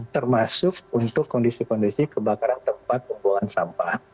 termasuk untuk kondisi kondisi kebakaran tempat pembuangan sampah